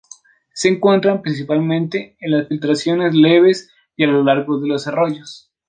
Se encuentran principalmente en las filtraciones leves y a lo largo de los arroyos.